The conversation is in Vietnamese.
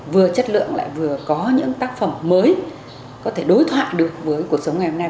vừa chất lượng lại vừa có những tác phẩm mới có thể đối thoại được với cuộc sống ngày hôm nay